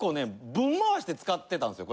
ブン回して使ってたんですよ